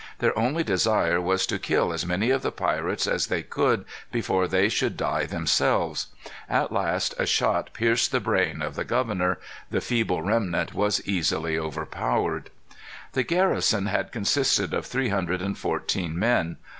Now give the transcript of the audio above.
Their only desire was to kill as many of the pirates as they could before they should die themselves. At last a shot pierced the brain of the governor. The feeble remnant was easily overpowered. The garrison had consisted of three hundred and fourteen men.